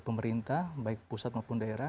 pemerintah baik pusat maupun daerah